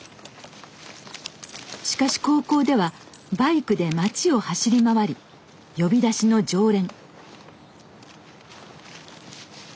しかし高校ではバイクで町を走り回り呼び出しの常連。